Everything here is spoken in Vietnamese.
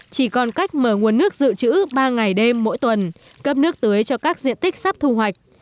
chỉ còn cách mở nguồn nước dự trữ ba ngày đêm mỗi tuần cấp nước tưới cho các diện tích sắp thu hoạch